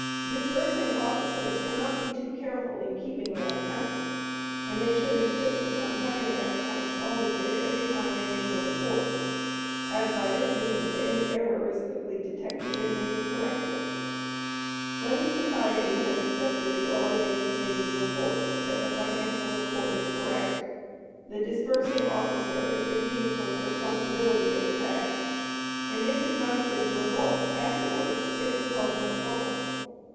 Disbursing officers cannot be too careful in keeping their accounts, and they should insist upon having their accounts audited every time they make a report, as by this means any error is quickly detected and may be corrected. When the society has accepted the auditing committee's report that the financial report is correct, the disbursing officer is relieved from the responsibility of the past, and if his vouchers were lost afterwards, it would cause no trouble.